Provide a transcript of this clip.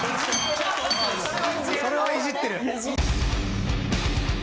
それはイジってる。